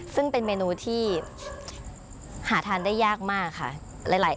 ซึ่งเป็นเมนูที่หาทานได้ยากมากค่ะ